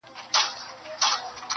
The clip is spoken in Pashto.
مچوي مو جاهلان پښې او لاسونه -